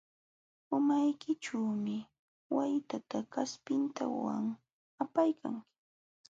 Umaykićhuumi waytata kaspintawan apaykanki.